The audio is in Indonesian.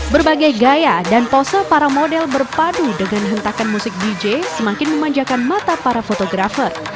berbagai gaya dan pose para model berpadu dengan hentakan musik dj semakin memanjakan mata para fotografer